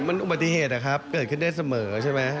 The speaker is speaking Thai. มันอุบัติเหตุนะครับเกิดขึ้นได้เสมอใช่ไหม